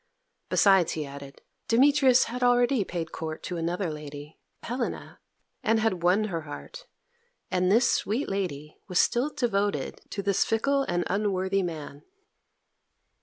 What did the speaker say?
Besides, he added, Demetrius had already paid court to another lady Helena and had won her heart; and this sweet lady was still devoted to this fickle and unworthy man.